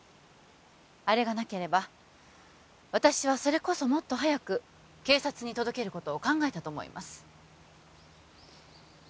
あれがなければ私はそれこそもっと早く警察に届けることを考えたと思います